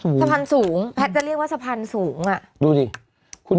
สูงสะพานสูงแพทย์จะเรียกว่าสะพานสูงอ่ะดูดิคุณวิวเนี่ยคือ